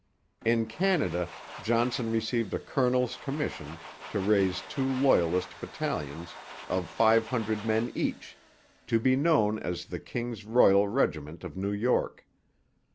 In Canada Johnson received a colonel's commission to raise two Loyalist battalions of five hundred men each, to be known as the King's Royal Regiment of New York.